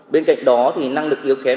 bên cạnh đó thì năng lực yếu kém